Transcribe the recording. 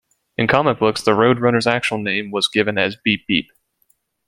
In comic books, the Road Runner's actual name was given as "Beep Beep".